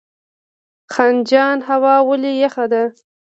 خنجان هوا ولې یخه ده؟